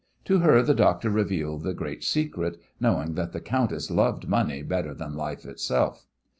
To her the doctor revealed the great secret, knowing that the countess loved money better than life itself.